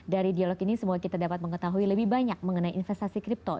di dialog ini semoga kita dapat mengetahui lebih banyak mengenai investasi crypto